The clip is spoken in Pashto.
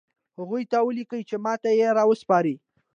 هغوی ته ولیکه چې ماته یې راوسپاري